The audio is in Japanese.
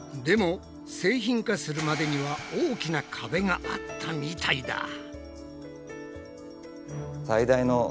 でも製品化するまでには大きな壁があったみたいだ。